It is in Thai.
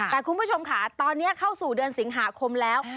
แต่คุณผู้ชมค่ะตอนนี้เข้าสู่เดือนสิงหาคมแล้ว